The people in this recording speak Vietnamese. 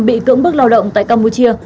bị cưỡng bức lao động tại campuchia